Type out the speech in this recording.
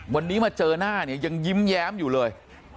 วันนี้มาเจอหน้าเนี่ยยังยิ้มแย้มอยู่เลย